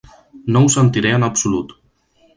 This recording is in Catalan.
No ho sentiré en absolut.